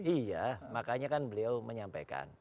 iya makanya kan beliau menyampaikan